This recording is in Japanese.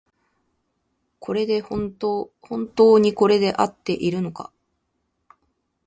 本当にこれであっているのか